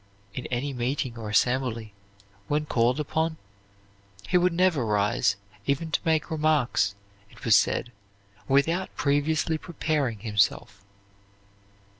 In any meeting or assembly, when called upon, he would never rise, even to make remarks, it was said, without previously preparing himself.